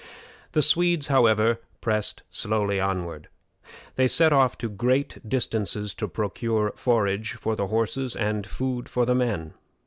The Swedes, however, pressed slowly onward. They sent off to great distances to procure forage for the horses and food for the men.